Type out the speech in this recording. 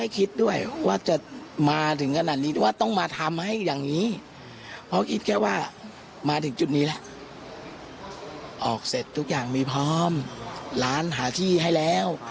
สิ่งที่น่าซ้าวก็คือ